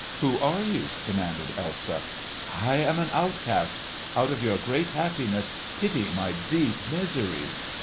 "Who are you?" demanded Elsa. "I am an outcast. Out of your great happiness pity my deep misery!"